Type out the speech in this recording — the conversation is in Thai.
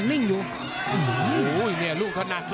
อีกเรื่องทรงศิลป์แล้วนะ